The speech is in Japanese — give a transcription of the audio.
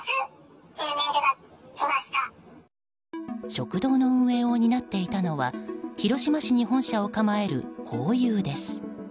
食堂の運営を担っていたのは広島市に本社を構えるホーユーです。